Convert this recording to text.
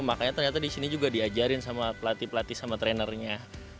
makanya ternyata di sini juga diajarin sama pelatih pelatih sama trainernya